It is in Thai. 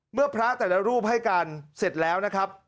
เมื่อพระแต่ละรูปให้การเสร็จแล้วนะครับ